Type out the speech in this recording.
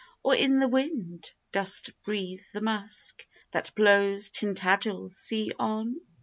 Or, in the wind, dost breathe the musk That blows Tintagel's sea on?